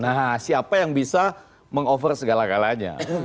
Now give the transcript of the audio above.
nah siapa yang bisa meng over segala galanya